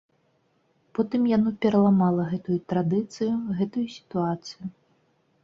Потым яно пераламала гэтую традыцыю, гэтую сітуацыю.